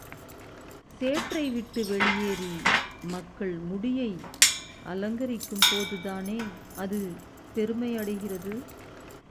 சேற்றைவிட்டு வெளியேறி மக்கள் முடியை அலங்கரிக்கும் போதுதானே அது பெருமைடைகிறது.